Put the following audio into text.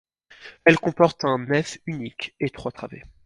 Elle comporte une nef unique et trois travées.